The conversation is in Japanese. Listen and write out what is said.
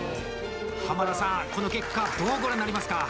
濱田さん、この結果どうご覧になりますか？